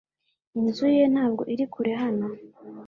Inzu ye ntabwo iri kure hano .